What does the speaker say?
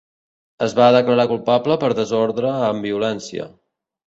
Es va declarar culpable per desordre amb violència.